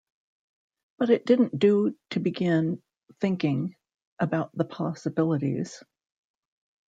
But it didn’t do to begin thinking about the possibilities.